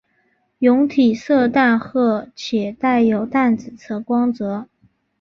蛹体色淡褐且带有淡紫色光泽。